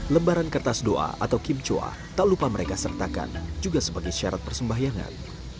lembaran kertas doa atau kimchua tak lupa mereka sertakan juga sebagai syarat persembahyangan